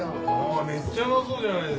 めっちゃうまそうじゃないですか。